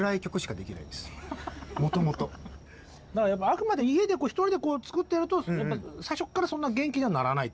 あくまで家で１人で作ってると最初からそんな元気にはならないってことなのね。